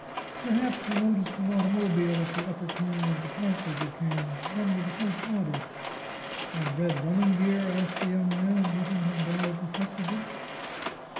Perhaps you noticed an automobile at the upper corner of the park as you came. One with a white body." "And red running gear?" asked the young man, knitting his brows reflectively.